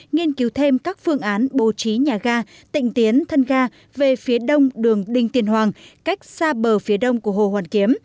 nghiên cứu thêm các phương án bố trí nhà ga tịnh tiến thân ga về phía đông đường đinh tiên hoàng cách xa bờ phía đông của hồ hoàn kiếm